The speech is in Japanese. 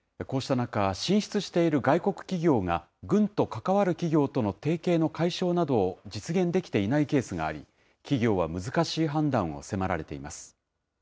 こうした中、進出している外国企業が、軍と関わる企業との提携の解消などを実現できていないケースがあり、企業は難しい判断を迫られています。